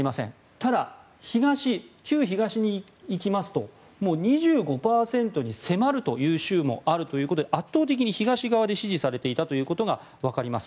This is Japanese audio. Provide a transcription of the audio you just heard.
ただ旧東にいきますと２５％に迫るという州もあるということで圧倒的に東で支持されていたことが分かります。